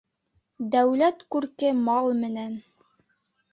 Дәүләт күрке мал менән